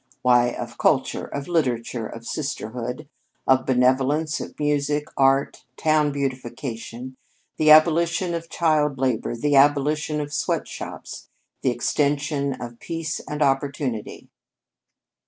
Why, of culture, of literature, of sisterhood, of benevolence, of music, art, town beautification, the abolition of child labor, the abolition of sweat shops, the extension of peace and opportunity.